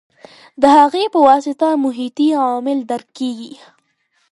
د هغې په واسطه محیطي عوامل درک کېږي.